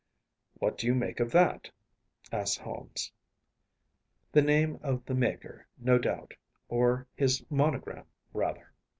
“What do you make of that?‚ÄĚ asked Holmes. “The name of the maker, no doubt; or his monogram, rather.